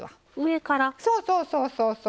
そうそうそうそうそう。